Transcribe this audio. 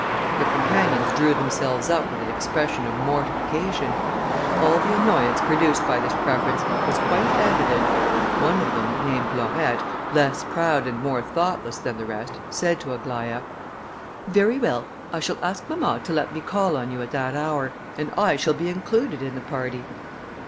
Her companions drew themselves up with an expression of mortification. All the annoyance produced by this preference was quite evident: one of them, named Laurette, less proud and more thoughtless than the rest, said to Aglaïa, "Very well, I shall ask mamma to let me call on you at that hour, and I shall be included in the party."